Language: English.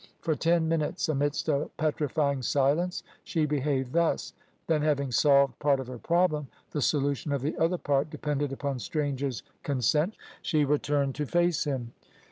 For ten minutes amidst a petrifying silence she behaved thus; then, having solved part of her problem the solution of the other part depended upon Strange's consent she returned to face him.